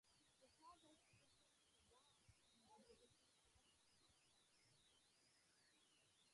The Padres also finished last in their division five times.